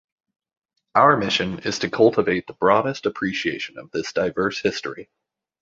Our mission is to cultivate the broadest appreciation of this diverse history.